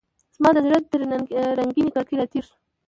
زما د زړه تر رنګینې کړکۍ راتیر شو